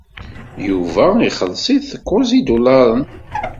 Yuba ixelleṣ-it kuẓ n yidulaṛen.